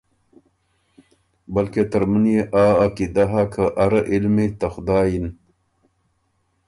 بلکې ترمُن يې آ عقیدۀ هۀ که اره علمی ته خدایٛ اِن